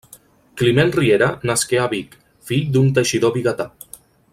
Climent Riera nasqué a Vic, fill d'un teixidor vigatà.